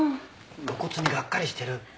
露骨にがっかりしてる。